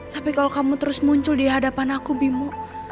tapi kalau kamu terus muncul di hadapan aku bimu